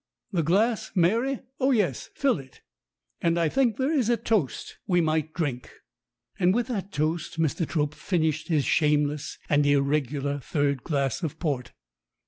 (The glass, Mary? Oh, yes. Fill it.) And I think there is a toast we might drink." And with that toast Mr. Trope finished his shameless and irregular third glass of port.